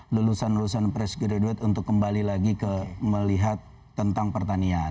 lulusan lulusan press graduate untuk kembali lagi ke melihat tentang pertanian